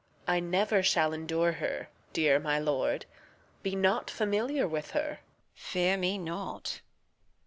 Reg. I never shall endure her. Dear my lord, Be not familiar with her. Edm. Fear me not.